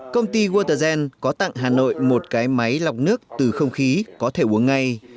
công ty woterzen có tặng hà nội một cái máy lọc nước từ không khí có thể uống ngay